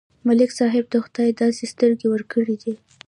ملک صاحب ته خدای داسې سترګې ورکړې دي،